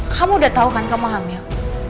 kamu udah tahu kan kamu hamil